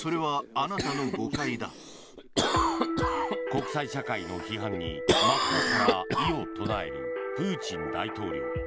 国際社会の批判に真っ向から異を唱えるプーチン大統領。